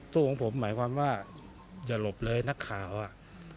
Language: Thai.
ของผมหมายความว่าอย่าหลบเลยนักข่าวอ่ะ